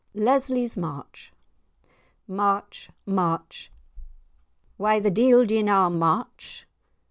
*LESLY'S MARCH* March! march: Why the de'il do ye na march?